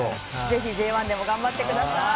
ぜひＪ１でも頑張ってください！